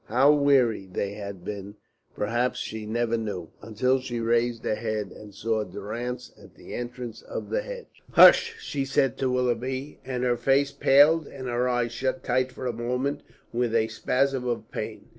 How weary they had been perhaps she never knew, until she raised her head and saw Durrance at the entrance in the hedge. "Hush!" she said to Willoughby, and her face paled and her eyes shut tight for a moment with a spasm of pain.